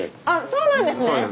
あそうなんですね！